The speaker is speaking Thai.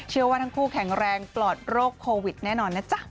เชื่อว่าทั้งคู่แข็งแรงปลอดโรคโควิดแน่นอนนะจ๊ะ